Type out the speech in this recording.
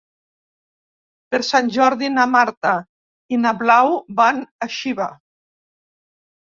Per Sant Jordi na Marta i na Blau van a Xiva.